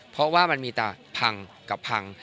เพราะว่ามันมีแต่พังกับพัง